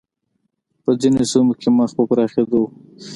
په ځینو سیمو کې مخ په پراخېدو و